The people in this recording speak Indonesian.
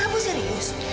apa apa serius